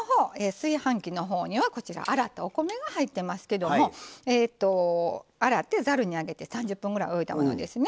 炊飯器の方には洗ったお米が入ってますけども洗ってざるに上げて３０分ぐらい置いたものですね。